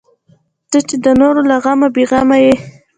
ته چې د نورو له غمه بې غمه یې.